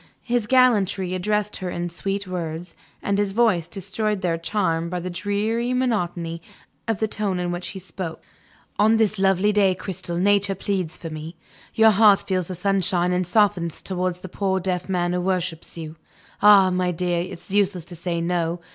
His gallantry addressed her in sweet words; and his voice destroyed their charm by the dreary monotony of the tone in which he spoke. "On this lovely day, Cristel, Nature pleads for me. Your heart feels the sunshine and softens towards the poor deaf man who worships you. Ah, my dear, it's useless to say No.